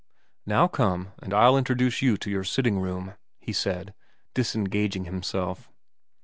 ' Now come and I'll introduce you to your sitting room,' he said, disengaging himself.